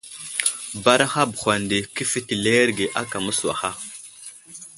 Baraha bəhwa nde kéfetileerege ákà mə́suwaha.